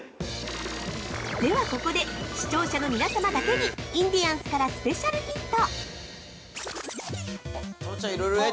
◆ではここで、視聴者の皆様だけに、インディアンスからスペシャルヒント！